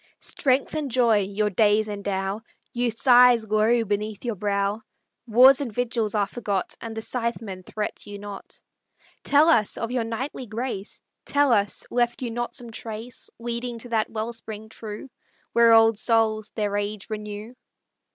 Strength and joy your days endow, Youth's eyes glow beneath your brow; Wars and vigils are forgot, And the Scytheman threats you not. Tell us, of your knightly grace, Tell us, left you not some trace Leading to that wellspring true Where old souls their age renew?